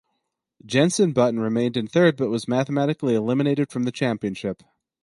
Jenson Button remained in third but was mathematically eliminated from the championship.